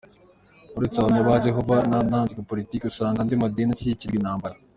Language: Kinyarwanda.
Uretse abahamya ba Yehova ritajya mu ntambara na politike, usanga andi madini ashyigikira intambara.